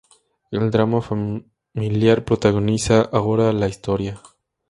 El drama familiar protagoniza ahora la historia.